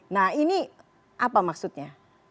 nah ini apa maksudnya